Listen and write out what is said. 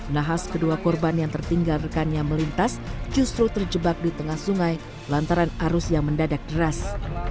nahas kedua korban yang tertinggal rekannya melintas justru terjebak di tengah sungai lantaran arus yang mendadak deras